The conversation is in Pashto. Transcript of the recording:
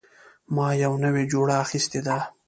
ما یوه نوې جوړه اخیستې ده